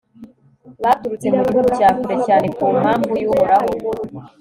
baturutse mu gihugu cya kure cyane ku mpamvu y'uhoraho